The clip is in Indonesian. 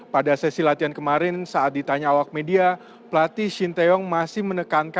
pada sesi latihan kemarin saat ditanya awak media pelatih shinteong masih menekan